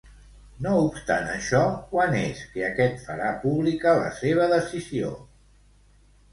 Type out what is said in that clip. No obstant això, quan és que aquest farà pública la seva decisió?